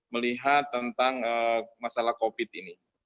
melihat tentang masalah covid ini